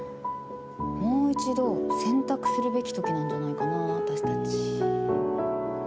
もう一度選択するべき時なんじゃないかな、私たち。